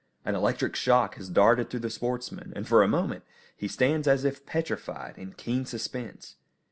An electric shock has darted through the sportsman, and for a moment he stands as if petrified, in keen suspense.